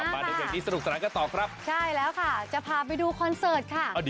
มากค่ะใช่แล้วค่ะจะพาไปดูคอนเสิร์ตค่ะ